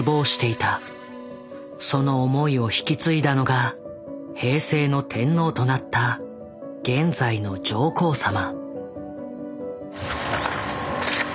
その思いを引き継いだのが平成の天皇となった現在の上皇様。